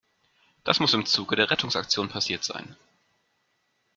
Das muss im Zuge der Rettungsaktion passiert sein.